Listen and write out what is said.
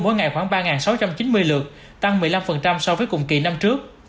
mỗi ngày khoảng ba sáu trăm chín mươi lượt tăng một mươi năm so với cùng kỳ năm trước